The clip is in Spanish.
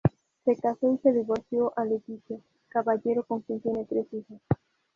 Se casó y se divorció a Leticia Caballero con quien tiene tres hijos.